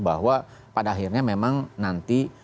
bahwa pada akhirnya memang nanti